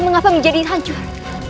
mengapa menjadi hancur